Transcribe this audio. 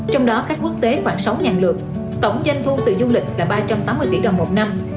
trong đó khách quốc tế khoảng sáu lượt tổng doanh thu từ du lịch là ba trăm tám mươi tỷ đồng một năm